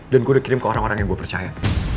dan gue udah kirim ke orang orang yang gue percaya